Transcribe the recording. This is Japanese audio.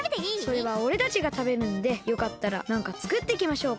それはおれたちがたべるんでよかったらなんかつくってきましょうか？